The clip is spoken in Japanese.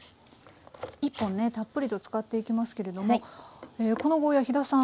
１本ねたっぷりと使っていきますけれどもこのゴーヤー飛田さん